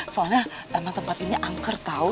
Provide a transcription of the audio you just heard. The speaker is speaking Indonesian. soalnya emang tempat ini angker tahu